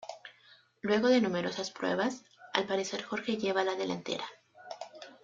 Luego de numerosas pruebas, al parecer Jorge lleva la delantera.